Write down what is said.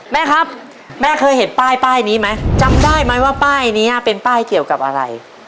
แม่ครับแม่เคยเห็นป้ายป้ายนี้ไหมจำได้ไหมว่าป้ายนี้เป็นป้ายเกี่ยวกับอะไร